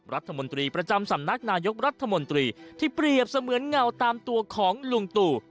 รัฐมนตรีประจำสำนักนายกรัฐมนตรีที่เปรียบเสมือนเงาตามตัวของลุงตู่